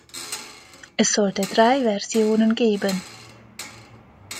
Es sollte drei Versionen geben.